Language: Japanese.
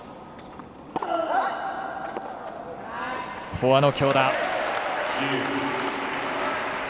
フォアの強打。